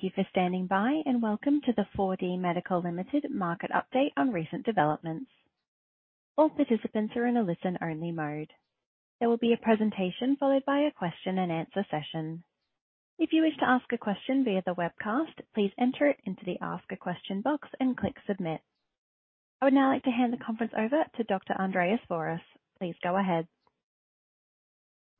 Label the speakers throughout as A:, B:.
A: Thank you for standing by and welcome to the 4DMedical Limited market update on recent developments. All participants are in a listen only mode. There will be a presentation followed by a question-and-answer session. If you wish to ask a question via the webcast, please enter it into the Ask a Question box and click submit. I would now like to hand the conference over to Dr. Andreas Fouras. Please go ahead.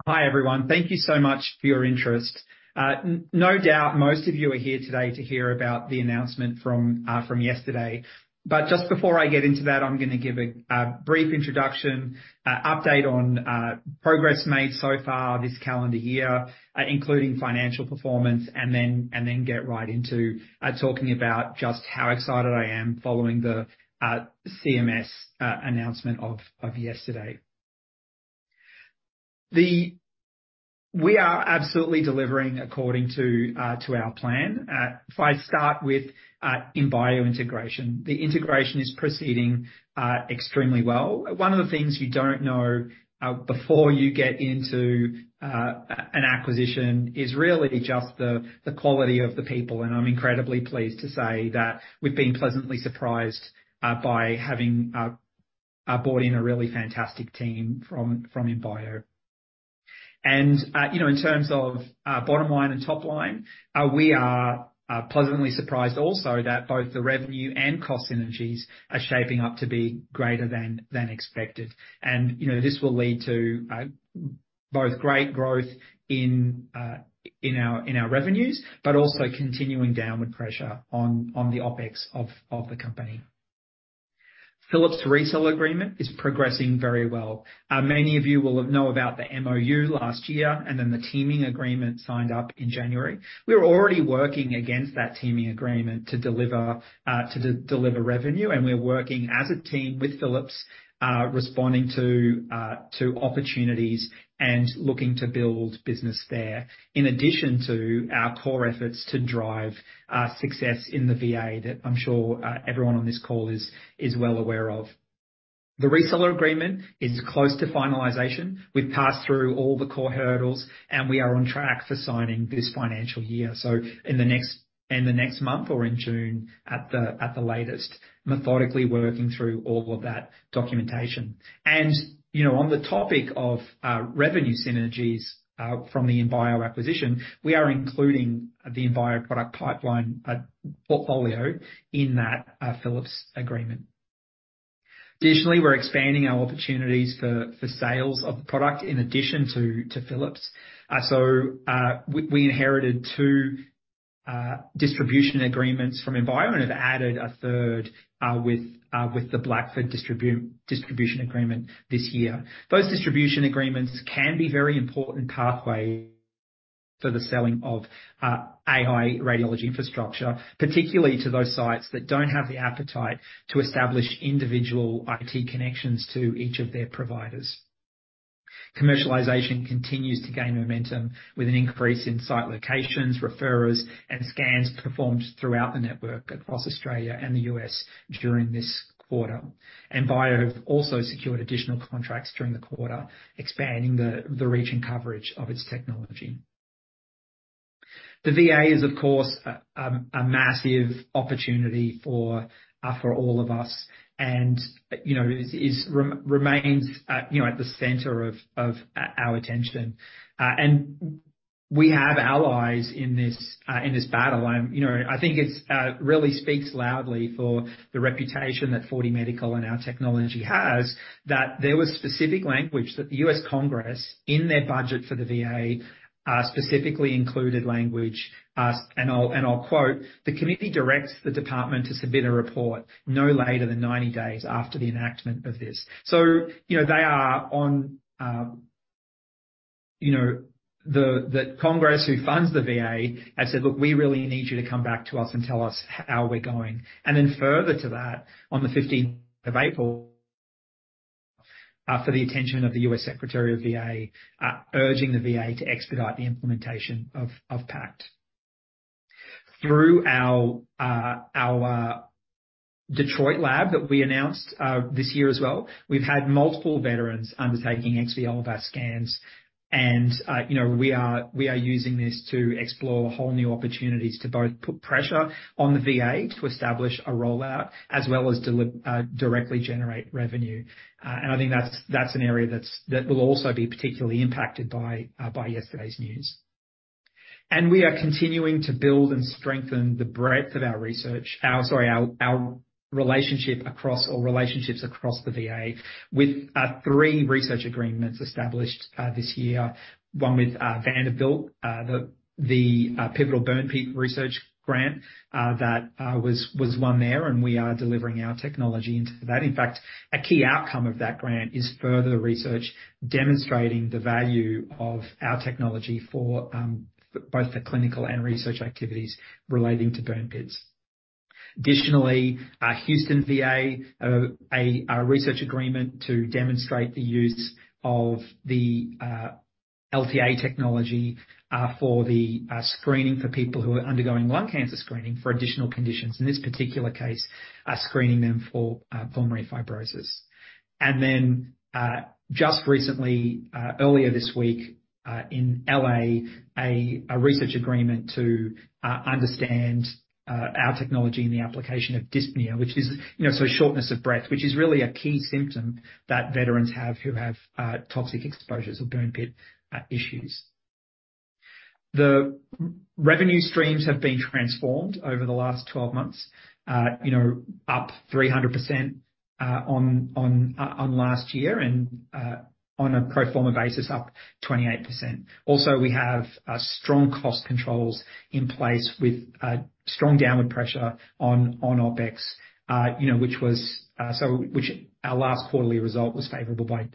B: Hi everyone. Thank you so much for your interest. No doubt most of you are here today to hear about the announcement from yesterday. But just before I get into that, I'm going to give a brief introduction, update on progress made so far this calendar year, including financial performance, and then get right into talking about just how excited I am following the CMS announcement of yesterday. We are absolutely delivering according to our plan. If I start with Imbio integration, the integration is proceeding extremely well. One of the things you don't know before you get into an acquisition is really just the quality of the people. I'm incredibly pleased to say that we've been pleasantly surprised by having brought in a really fantastic team from Imbio. In terms of bottom line and top line, we are pleasantly surprised also that both the revenue and cost synergies are shaping up to be greater than expected. This will lead to both great growth in our revenues but also continuing downward pressure on the OpEx of the company. Philips resale agreement is progressing very well. Many of you will know about the MOU last year and then the teaming agreement signed up in January. We're already working against that teaming agreement to deliver revenue, and we're working as a team with Philips responding to opportunities and looking to build business there in addition to our core efforts to drive success in the VA that I'm sure everyone on this call is well aware of. The reseller agreement is close to finalization. We've passed through all the core hurdles, and we are on track for signing this financial year. So in the next month or in June at the latest, methodically working through all of that documentation. And on the topic of revenue synergies from the Imbio acquisition, we are including the Imbio product pipeline portfolio in that Philips agreement. Additionally, we're expanding our opportunities for sales of the product in addition to Philips. So we inherited two distribution agreements from Imbio and have added a third with the Blackford distribution agreement this year. Those distribution agreements can be very important pathways for the selling of AI radiology infrastructure, particularly to those sites that don't have the appetite to establish individual IT connections to each of their providers. Commercialization continues to gain momentum with an increase in site locations, referrals, and scans performed throughout the network across Australia and the U.S. during this quarter. Imbio have also secured additional contracts during the quarter, expanding the reach and coverage of its technology. The VA is, of course, a massive opportunity for all of us and remains at the center of our attention. We have allies in this battle. I think it really speaks loudly for the reputation that 4DMedical and our technology has that there was specific language that the U.S. Congress in their budget for the VA specifically included language. And I'll quote, "The committee directs the department to submit a report no later than 90 days after the enactment of this." So they in Congress who funds the VA has said, "Look, we really need you to come back to us and tell us how we're going." Then further to that, on the 15th of April, for the attention of the U.S. Secretary of VA, urging the VA to expedite the implementation of PACT. Through our Detroit lab that we announced this year as well, we've had multiple veterans undertaking XV LVAS scans. And we are using this to explore whole new opportunities to both put pressure on the VA to establish a rollout as well as directly generate revenue. And I think that's an area that will also be particularly impacted by yesterday's news. We are continuing to build and strengthen the breadth of our research, sorry, our relationship across or relationships across the VA with three research agreements established this year. One with Vanderbilt, the pivotal burn pit research grant that was won there, and we are delivering our technology into that. In fact, a key outcome of that grant is further research demonstrating the value of our technology for both the clinical and research activities relating to burn pits. Additionally, Houston VA, a research agreement to demonstrate the use of the LTA technology for the screening for people who are undergoing lung cancer screening for additional conditions. In this particular case, screening them for pulmonary fibrosis. Then just recently, earlier this week in LA, a research agreement to understand our technology in the application of dyspnea, which is so shortness of breath, which is really a key symptom that veterans have who have toxic exposures or burn pit issues. The revenue streams have been transformed over the last 12 months, up 300% on last year and on a pro forma basis, up 28%. Also, we have strong cost controls in place with strong downward pressure on OpEx, which was so our last quarterly result was favorable by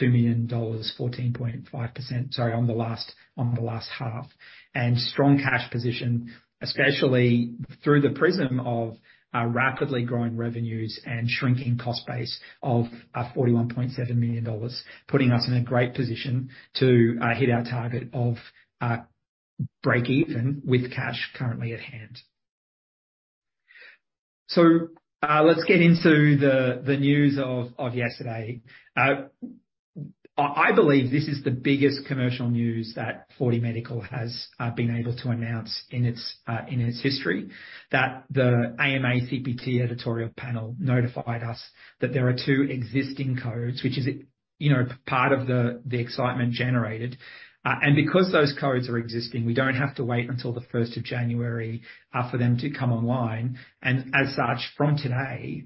B: 2 million dollars, 14.5%, sorry, on the last half. And strong cash position, especially through the prism of rapidly growing revenues and shrinking cost base of 41.7 million dollars, putting us in a great position to hit our target of break even with cash currently at hand. Let's get into the news of yesterday. I believe this is the biggest commercial news that 4DMedical has been able to announce in its history, that the AMA CPT editorial panel notified us that there are two existing codes, which is part of the excitement generated. Because those codes are existing, we don't have to wait until the 1st of January for them to come online. As such, from today,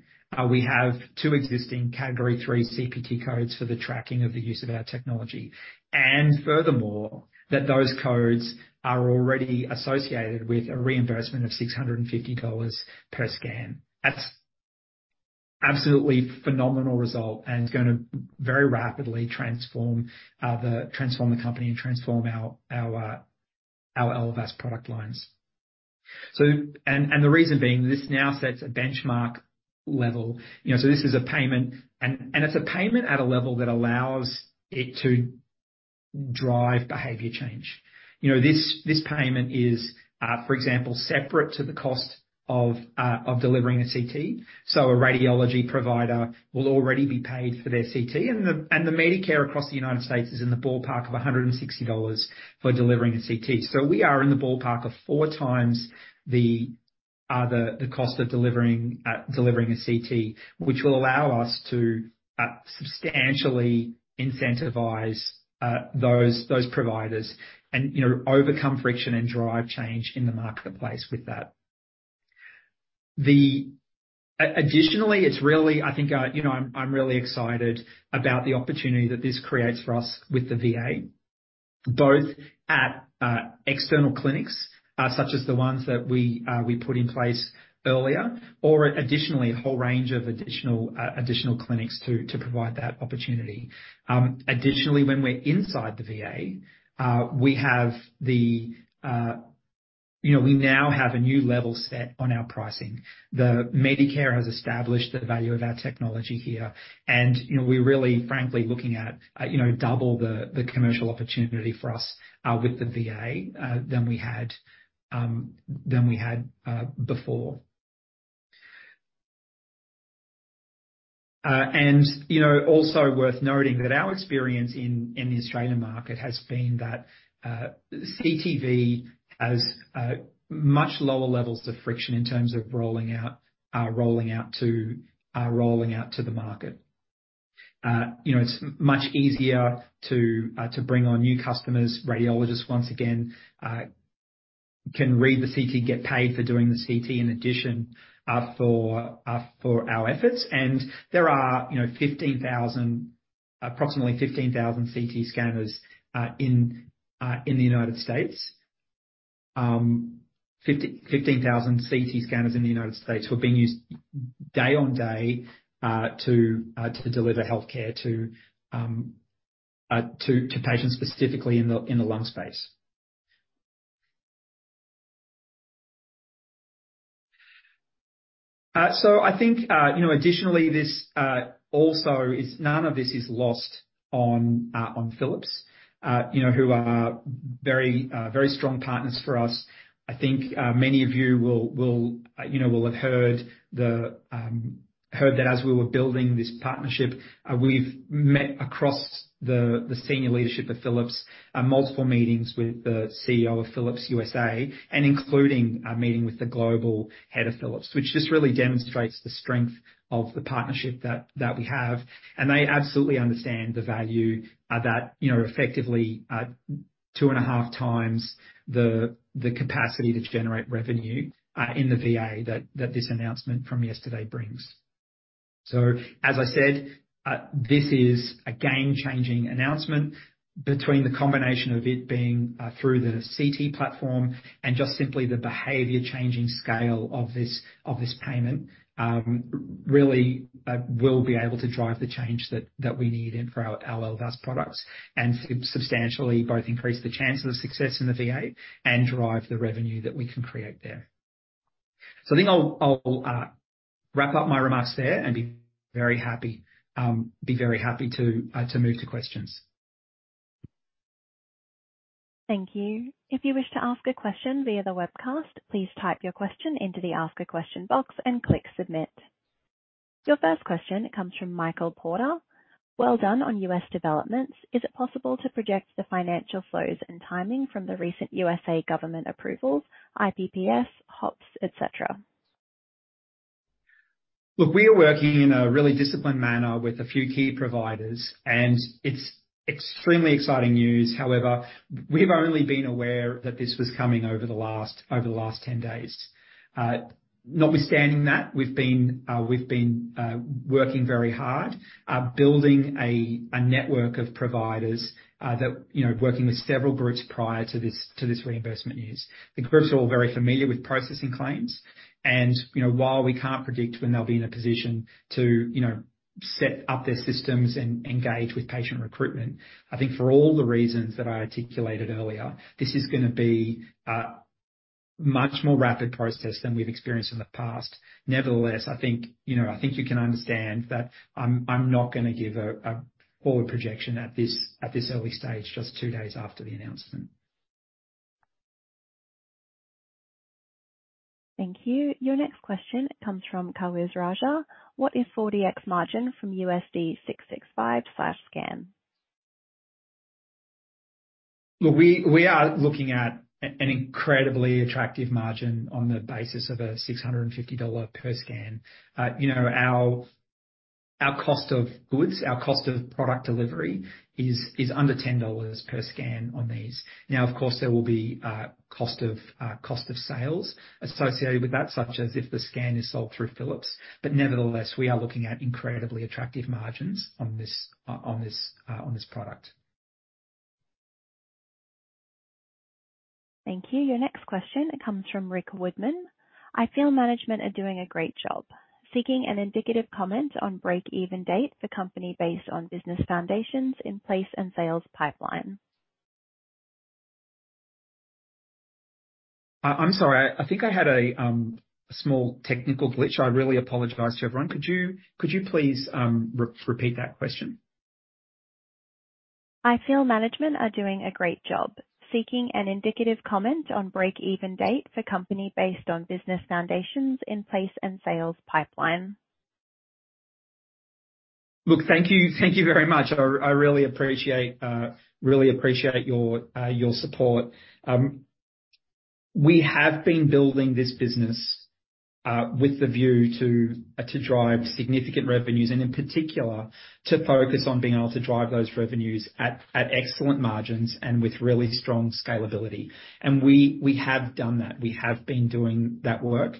B: we have two existing Category III CPT codes for the tracking of the use of our technology. Furthermore, that those codes are already associated with a reimbursement of $650 per scan. That's an absolutely phenomenal result and is going to very rapidly transform the company and transform our LVAS product lines. The reason being this now sets a benchmark level. This is a payment, and it's a payment at a level that allows it to drive behavior change. This payment is, for example, separate to the cost of delivering a CT. So a radiology provider will already be paid for their CT. The Medicare across the United States is in the ballpark of $160 for delivering a CT. We are in the ballpark of 4 times the cost of delivering a CT, which will allow us to substantially incentivize those providers and overcome friction and drive change in the marketplace with that. Additionally, it's really, I think I'm really excited about the opportunity that this creates for us with the VA, both at external clinics such as the ones that we put in place earlier or additionally a whole range of additional clinics to provide that opportunity. Additionally, when we're inside the VA, we now have a new level set on our pricing. The Medicare has established the value of our technology here. We're really, frankly, looking at double the commercial opportunity for us with the VA than we had before. Also worth noting that our experience in the Australian market has been that CT LVAS has much lower levels of friction in terms of rolling out to the market. It's much easier to bring on new customers. Radiologists, once again, can read the CT, get paid for doing the CT in addition for our efforts. There are approximately 15,000 CT scanners in the United States. 15,000 CT scanners in the United States who are being used day on day to deliver healthcare to patients specifically in the lung space. So I think additionally, this also is none of this is lost on Philips, who are very strong partners for us. I think many of you will have heard that as we were building this partnership, we've met across the senior leadership of Philips, multiple meetings with the CEO of Philips USA, and including a meeting with the global head of Philips, which just really demonstrates the strength of the partnership that we have. And they absolutely understand the value that effectively 2.5 times the capacity to generate revenue in the VA that this announcement from yesterday brings. So as I said, this is a game-changing announcement between the combination of it being through the CT platform and just simply the behavior-changing scale of this payment really will be able to drive the change that we need for our LVAS products and substantially both increase the chance of success in the VA and drive the revenue that we can create there. So I think I'll wrap up my remarks there and be very happy to move to questions.
A: Thank you. If you wish to ask a question via the webcast, please type your question into the ask-a-question box and click submit. Your first question comes from Michael Porter. Well done on U.S. developments. Is it possible to project the financial flows and timing from the recent U.S. government approvals, IPPS, HOPPS, etc.?
B: Look, we are working in a really disciplined manner with a few key providers, and it's extremely exciting news. However, we've only been aware that this was coming over the last 10 days. Not with standing that, we've been working very hard, building a network of providers that working with several groups prior to this reimbursement news. The groups are all very familiar with processing claims. And while we can't predict when they'll be in a position to set up their systems and engage with patient recruitment, I think for all the reasons that I articulated earlier, this is going to be a much more rapid process than we've experienced in the past. Nevertheless, I think you can understand that I'm not going to give a forward projection at this early stage, just two days after the announcement.
A: Thank you. Your next question comes from. What is 4DX margin from $665 per scan?
B: Look, we are looking at an incredibly attractive margin on the basis of a $650 per scan. Our cost of goods, our cost of product delivery is under $10 per scan on these. Now, of course, there will be cost of sales associated with that, such as if the scan is sold through Philips. But nevertheless, we are looking at incredibly attractive margins on this product.
A: Thank you. Your next question, it comes from Rick Woodman. I feel management are doing a great job seeking an indicative comment on break-even date for company based on business foundations in place and sales pipeline.
B: I'm sorry. I think I had a small technical glitch. I really apologize to everyone. Could you please repeat that question?
A: I feel management are doing a great job seeking an indicative comment on break-even date for company based on business foundations in place and sales pipeline.
B: Look, thank you very much. I really appreciate your support. We have been building this business with the view to drive significant revenues and, in particular, to focus on being able to drive those revenues at excellent margins and with really strong scalability. We have done that. We have been doing that work.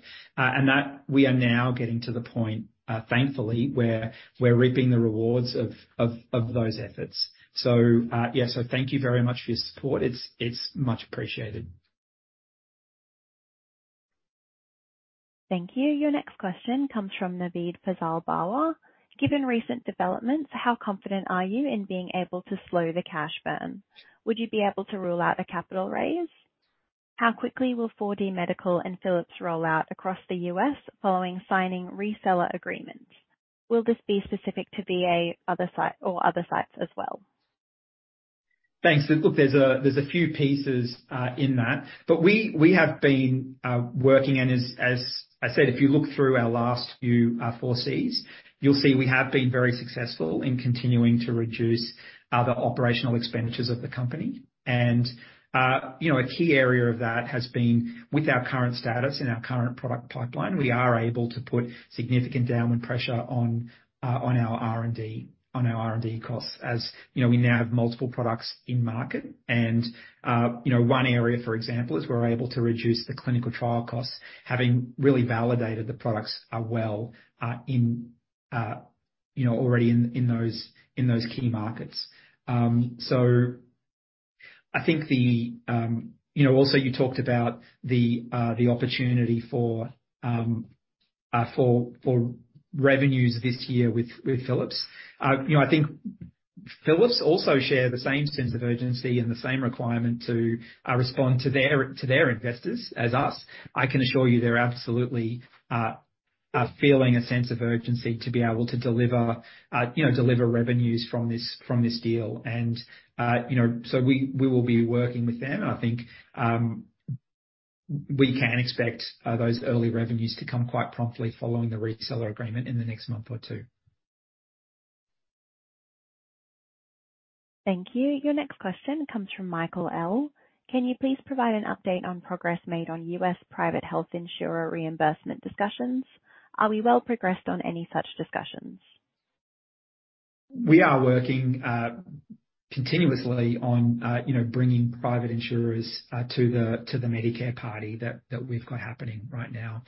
B: We are now getting to the point, thankfully, where we're reaping the rewards of those efforts. So yeah, so thank you very much for your support. It's much appreciated.
A: Thank you. Your next question comes from. Given recent developments, how confident are you in being able to slow the cash burn? Would you be able to rule out a capital raise? How quickly will 4DMedical and Philips rollout across the U.S. following signing reseller agreements? Will this be specific to VA or other sites as well?
B: Thanks. Look, there's a few pieces in that. But we have been working. And as I said, if you look through our last few 4Cs, you'll see we have been very successful in continuing to reduce the operational expenditures of the company. And a key area of that has been with our current status and our current product pipeline, we are able to put significant downward pressure on our R&D costs as we now have multiple products in market. And one area, for example, is we're able to reduce the clinical trial costs, having really validated the products well already in those key markets. So I think the also, you talked about the opportunity for revenues this year with Philips. I think Philips also share the same sense of urgency and the same requirement to respond to their investors as us. I can assure you they're absolutely feeling a sense of urgency to be able to deliver revenues from this deal. So we will be working with them. I think we can expect those early revenues to come quite promptly following the reseller agreement in the next month or two.
A: Thank you. Your next question comes from Michael L. Can you please provide an update on progress made on U.S. private health insurer reimbursement discussions? Are we well progressed on any such discussions?
B: We are working continuously on bringing private insurers to the Medicare party that we've got happening right now.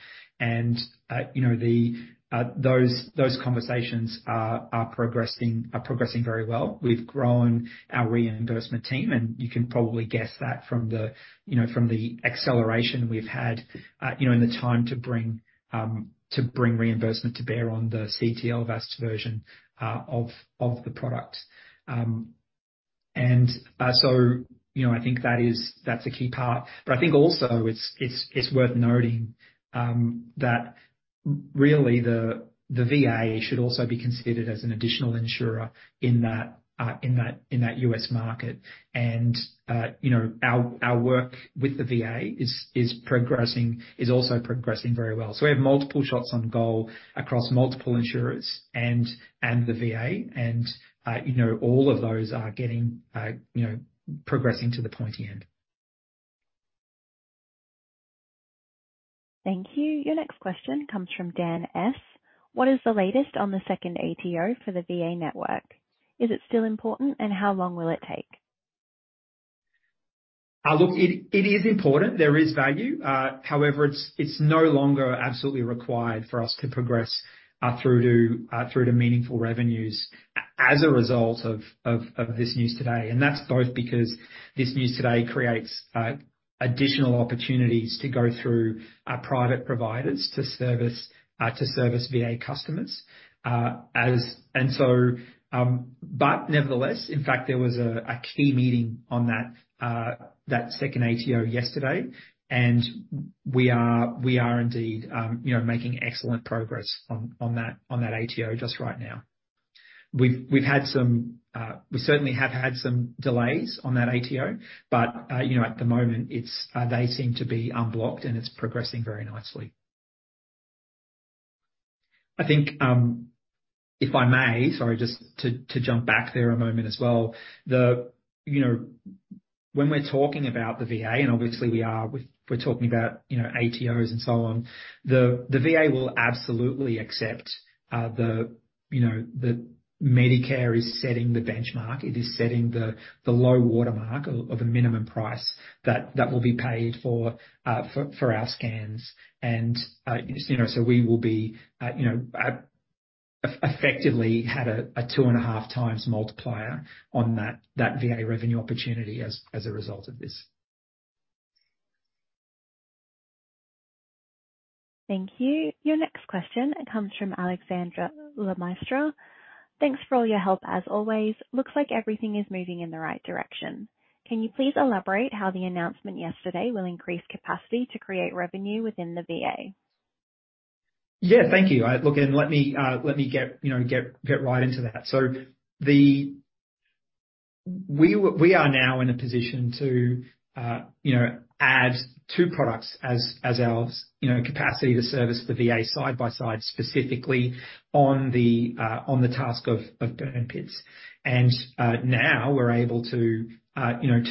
B: Those conversations are progressing very well. We've grown our reimbursement team. You can probably guess that from the acceleration we've had in the time to bring reimbursement to bear on the CT LVAS versions of the product. So I think that's a key part. But I think also, it's worth noting that really, the VA should also be considered as an additional insurer in that US market. Our work with the VA is also progressing very well. So we have multiple shots on goal across multiple insurers and the VA. All of those are progressing to the pointy end.
A: Thank you. Your next question comes from Dan S. What is the latest on the second ATO for the VA network? Is it still important, and how long will it take?
B: Look, it is important. There is value. However, it's no longer absolutely required for us to progress through to meaningful revenues as a result of this news today. That's both because this news today creates additional opportunities to go through private providers to service VA customers. But nevertheless, in fact, there was a key meeting on that second ATO yesterday. And we are indeed making excellent progress on that ATO just right now. We've certainly had some delays on that ATO. But at the moment, they seem to be unblocked, and it's progressing very nicely. I think if I may, sorry, just to jump back there a moment as well, when we're talking about the VA - and obviously, we are talking about ATOs and so on - the VA will absolutely accept that Medicare is setting the benchmark. It is setting the low watermark of a minimum price that will be paid for our scans. And so we will effectively have a 2.5x multiplier on that VA revenue opportunity as a result of this.
A: Thank you. Your next question, it comes from Alexandra Lemaistre. Thanks for all your help, as always. Looks like everything is moving in the right direction. Can you please elaborate how the announcement yesterday will increase capacity to create revenue within the VA?
B: Yeah, thank you. Look, and let me get right into that. So we are now in a position to add two products as our capacity to service the VA side by side specifically on the task of burn pits. And now, we're able to charge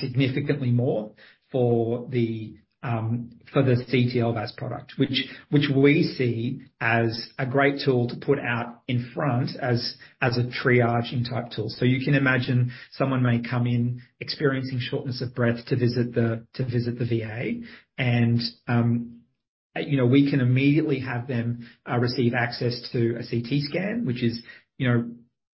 B: significantly more for the CT LVAS product, which we see as a great tool to put out in front as a triaging type tool. So you can imagine someone may come in experiencing shortness of breath to visit the VA. And we can immediately have them receive access to a CT scan, which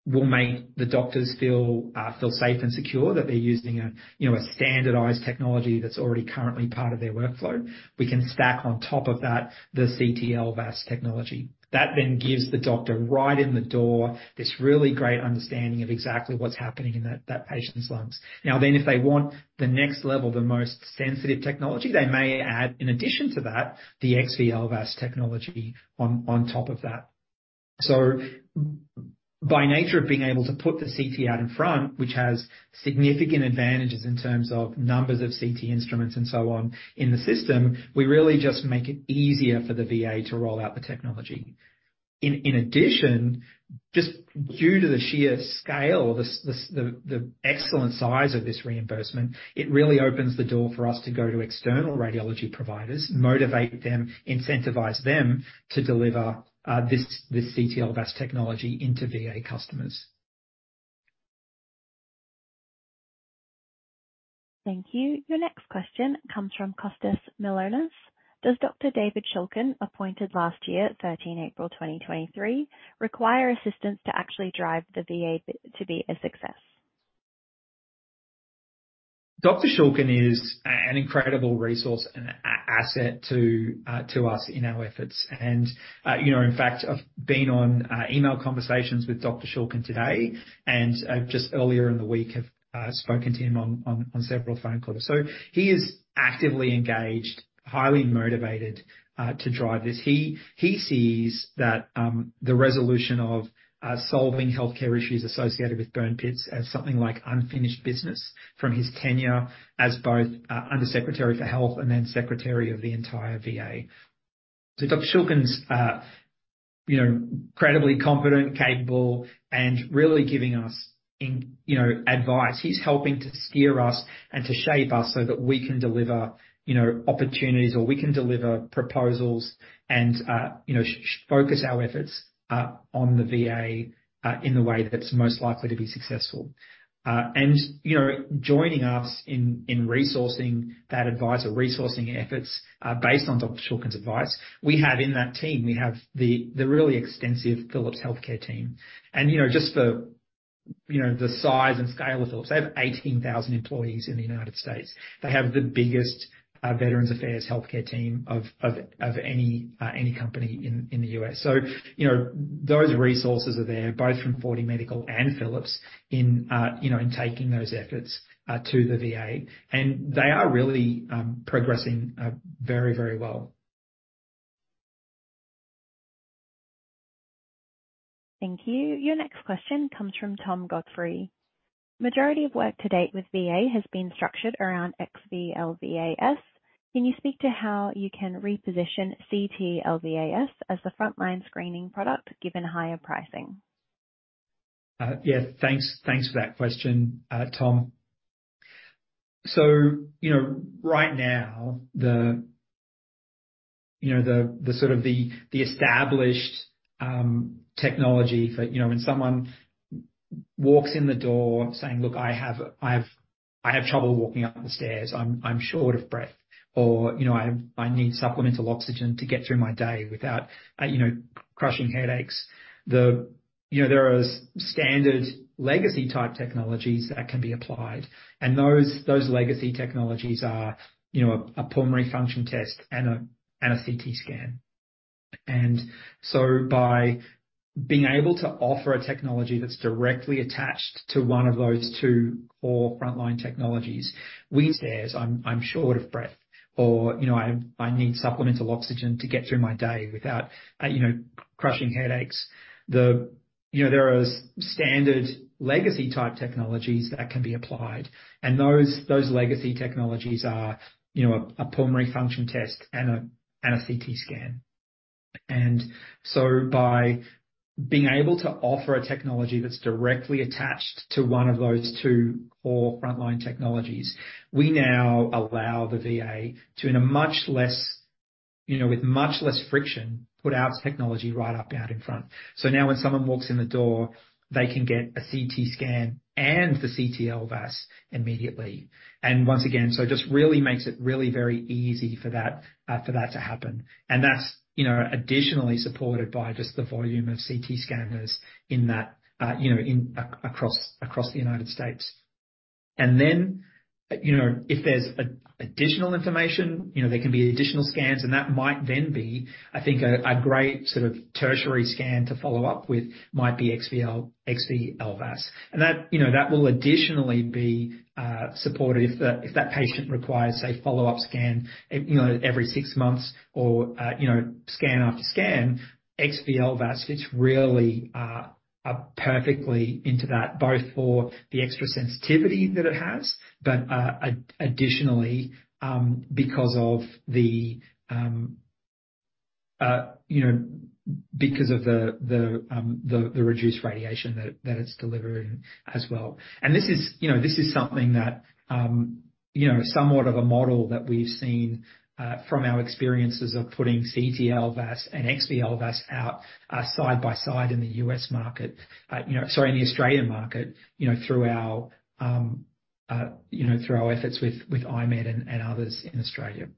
B: will make the doctors feel safe and secure that they're using a standardized technology that's already currently part of their workflow. We can stack on top of that the CT LVAS technology. That then gives the doctor right in the door this really great understanding of exactly what's happening in that patient's lungs. Now then, if they want the next level, the most sensitive technology, they may add, in addition to that, the XV LVAS technology on top of that. So by nature of being able to put the CT out in front, which has significant advantages in terms of numbers of CT instruments and so on in the system, we really just make it easier for the VA to roll out the technology. In addition, just due to the sheer scale or the excellent size of this reimbursement, it really opens the door for us to go to external radiology providers, motivate them, incentivize them to deliver this CT LVAS technology into VA customers.
A: Thank you. Your next question comes from Costas Mylonas. Does Dr. David Shulkin, appointed last year, 13 April 2023, require assistance to actually drive the VA to be a success?
B: Dr. Shulkin is an incredible resource and asset to us in our efforts. In fact, I've been on email conversations with Dr. Shulkin today. Just earlier in the week, I've spoken to him on several phone calls. He is actively engaged, highly motivated to drive this. He sees that the resolution of solving healthcare issues associated with burn pits as something like unfinished business from his tenure as both Under Secretary for Health and then Secretary of the entire VA. Dr. Shulkin's incredibly confident, capable, and really giving us advice. He's helping to steer us and to shape us so that we can deliver opportunities or we can deliver proposals and focus our efforts on the VA in the way that's most likely to be successful. Joining us in resourcing that advice or resourcing efforts based on Dr. Shulkin's advice, we have in that team the really extensive Philips healthcare team. Just for the size and scale of Philips, they have 18,000 employees in the United States. They have the biggest Veterans Affairs healthcare team of any company in the U.S. So those resources are there both from 4DMedical and Philips in taking those efforts to the VA. They are really progressing very, very well.
A: Thank you. Your next question comes from Tom Godfrey. Majority of work to date with VA has been structured around XV LVAS. Can you speak to how you can reposition CT LVAS as the frontline screening product given higher pricing?
B: Yeah, thanks for that question, Tom. So right now, sort of the established technology for when someone walks in the door saying, "Look, I have trouble walking up the stairs. I'm short of breath," or, "I need supplemental oxygen to get through my day without crushing headaches," there are standard legacy type technologies that can be applied. And those legacy technologies are a pulmonary function test and a CT scan. And so by being able to offer a technology that's directly attached to one of those two core frontline technologies, we. And so by being able to offer a technology that's directly attached to one of those two core frontline technologies, we now allow the VA to, in a much less with much less friction, put out technology right up out in front. So now, when someone walks in the door, they can get a CT scan and the CT LVAS immediately. And once again, so it just really makes it really very easy for that to happen. And that's additionally supported by just the volume of CT scanners across the United States. And then if there's additional information, there can be additional scans. And that might then be, I think, a great sort of tertiary scan to follow up with might be XV LVAS. And that will additionally be supported if that patient requires, say, follow-up scan every six months or scan after scan. XV LVAS fits really perfectly into that both for the extra sensitivity that it has but additionally because of the reduced radiation that it's delivering as well. And this is something that somewhat of a model that we've seen from our experiences of putting CT LVAS and XV LVAS side by side in the US market sorry, in the Australian market through our efforts with I-MED and others in Australia.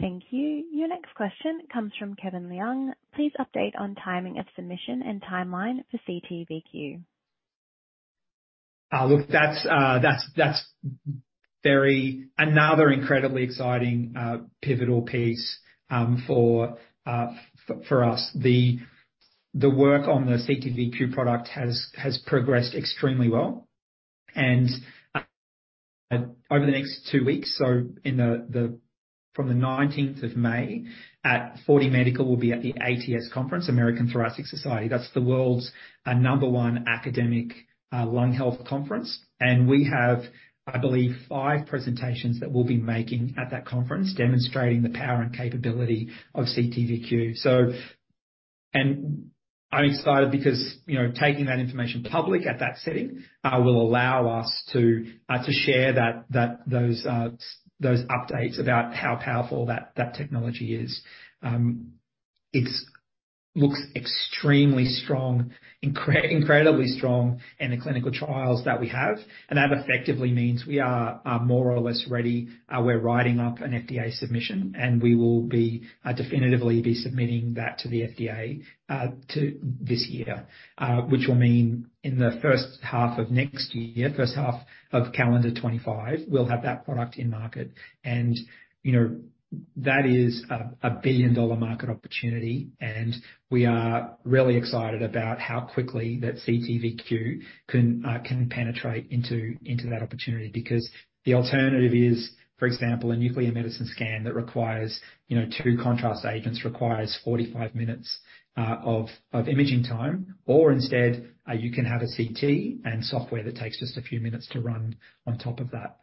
A: Thank you. Your next question comes from Kevin Liang. Please update on timing of submission and timeline for CT:VQ.
B: Look, that's another incredibly exciting pivotal piece for us. The work on the CT:VQ product has progressed extremely well. And over the next 2 weeks, so from the 19th of May, 4DMedical will be at the ATS Conference, American Thoracic Society. That's the world's number one academic lung health conference. And we have, I believe, 5 presentations that we'll be making at that conference demonstrating the power and capability of CT:VQ. And I'm excited because taking that information public at that setting will allow us to share those updates about how powerful that technology is. It looks extremely strong, incredibly strong in the clinical trials that we have. And that effectively means we are more or less ready. We're writing up an FDA submission. We will definitively be submitting that to the FDA this year, which will mean in the first half of next year, first half of calendar 2025, we'll have that product in market. That is a billion-dollar market opportunity. We are really excited about how quickly that CT:VQ can penetrate into that opportunity because the alternative is, for example, a nuclear medicine scan that requires two contrast agents, requires 45 minutes of imaging time. Or instead, you can have a CT and software that takes just a few minutes to run on top of that.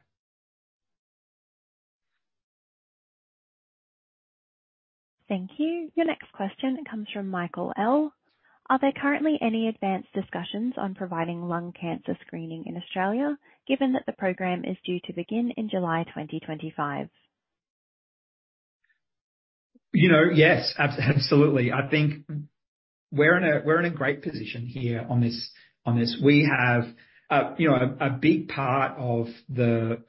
A: Thank you. Your next question, it comes from Michael L. Are there currently any advanced discussions on providing lung cancer screening in Australia given that the program is due to begin in July 2025?
B: Yes, absolutely. I think we're in a great position here on this. We have a big part of the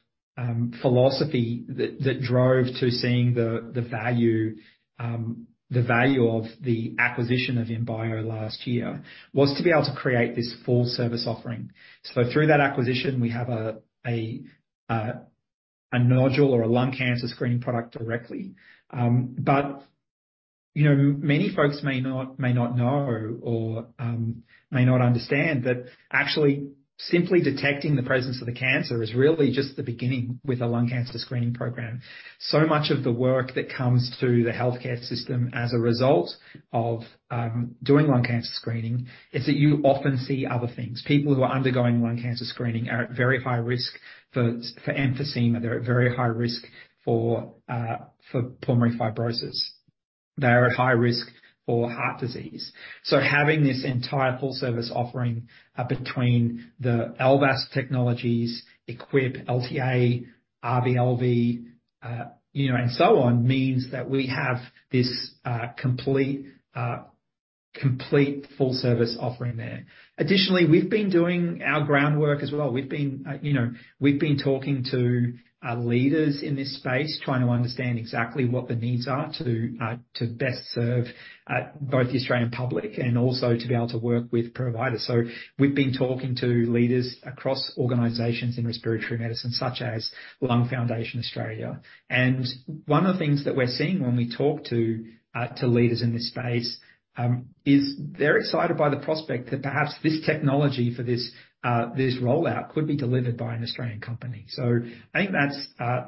B: philosophy that drove to seeing the value of the acquisition of Imbio last year was to be able to create this full-service offering. So through that acquisition, we have a nodule or a lung cancer screening product directly. But many folks may not know or may not understand that actually simply detecting the presence of the cancer is really just the beginning with a lung cancer screening program. So much of the work that comes to the healthcare system as a result of doing lung cancer screening is that you often see other things. People who are undergoing lung cancer screening are at very high risk for emphysema. They're at very high risk for pulmonary fibrosis. They are at high risk for heart disease. So having this entire full-service offering between the LVAS technologies,, LTA, RV/LV, and so on means that we have this complete full-service offering there. Additionally, we've been doing our groundwork as well. We've been talking to leaders in this space trying to understand exactly what the needs are to best serve both the Australian public and also to be able to work with providers. So we've been talking to leaders across organizations in respiratory medicine such as Lung Foundation Australia. And one of the things that we're seeing when we talk to leaders in this space is they're excited by the prospect that perhaps this technology for this rollout could be delivered by an Australian company. So I think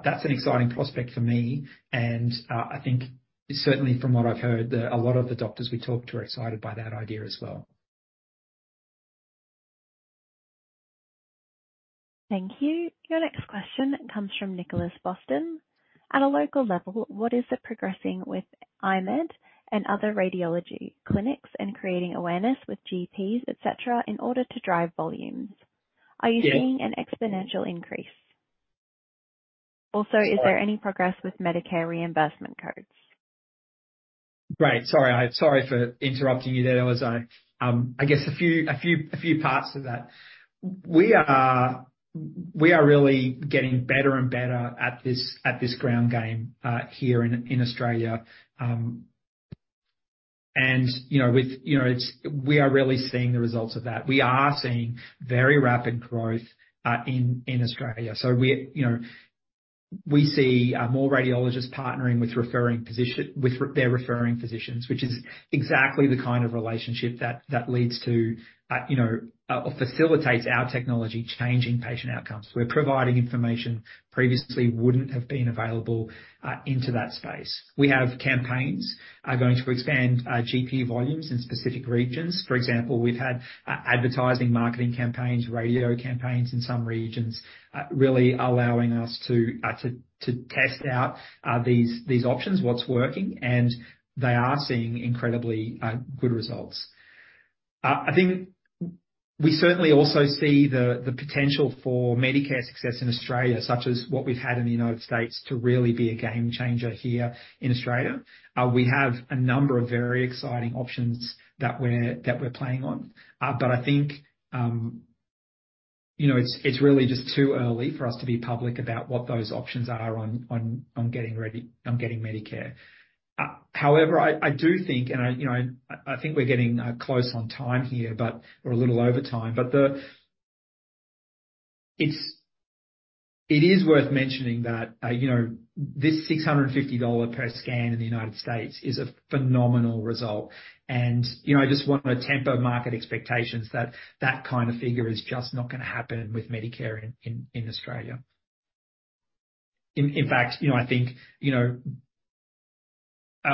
B: that's an exciting prospect for me. And I think certainly from what I've heard, a lot of the doctors we talk to are excited by that idea as well.
A: Thank you. Your next question, it comes from Nicholas Bolton. At a local level, what is the progress with IMED and other radiology clinics and creating awareness with GPs, etc., in order to drive volumes? Are you seeing an exponential increase? Also, is there any progress with Medicare reimbursement codes?
B: Right. Sorry. Sorry for interrupting you there. There was, I guess, a few parts of that. We are really getting better and better at this ground game here in Australia. And we are really seeing the results of that. We are seeing very rapid growth in Australia. So we see more radiologists partnering with their referring physicians, which is exactly the kind of relationship that leads to or facilitates our technology changing patient outcomes. We're providing information previously wouldn't have been available into that space. We have campaigns going to expand GP volumes in specific regions. For example, we've had advertising marketing campaigns, radio campaigns in some regions really allowing us to test out these options, what's working. And they are seeing incredibly good results. I think we certainly also see the potential for Medicare success in Australia such as what we've had in the United States to really be a game changer here in Australia. We have a number of very exciting options that we're playing on. But I think it's really just too early for us to be public about what those options are on getting Medicare. However, I do think and I think we're getting close on time here, but we're a little over time. But it is worth mentioning that this $650 per scan in the United States is a phenomenal result. And I just want to temper market expectations that that kind of figure is just not going to happen with Medicare in Australia. In fact, I think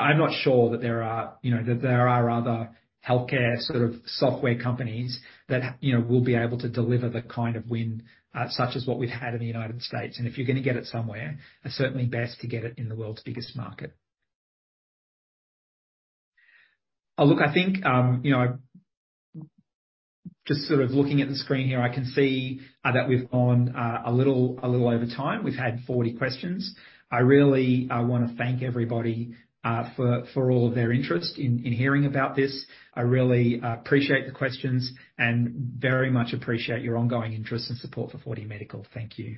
B: I'm not sure that there are other healthcare sort of software companies that will be able to deliver the kind of win such as what we've had in the United States. If you're going to get it somewhere, it's certainly best to get it in the world's biggest market. Look, I think just sort of looking at the screen here, I can see that we've gone a little over time. We've had 40 questions. I really want to thank everybody for all of their interest in hearing about this. I really appreciate the questions and very much appreciate your ongoing interest and support for 4DMedical. Thank you.